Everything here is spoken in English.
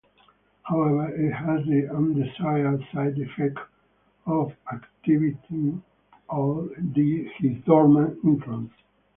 However it has the undesired side-effect of activating all his dormant introns.